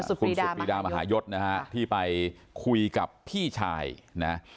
คุณสุดปรีดามหายศนะฮะที่ไปคุยกับพี่ชายนะ